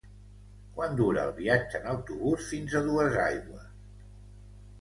Quant dura el viatge en autobús fins a Duesaigües?